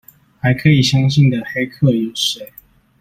還可以相信的黑客有誰？